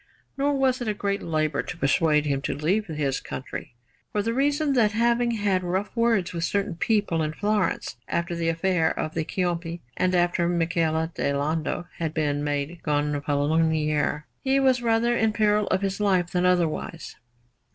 Nor was it a great labour to persuade him to leave his country, for the reason that, having had rough words with certain people in Florence after the affair of the Ciompi and after Michele di Lando had been made Gonfalonier, he was rather in peril of his life than otherwise.